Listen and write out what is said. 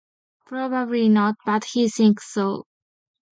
Probably not, but he thinks so.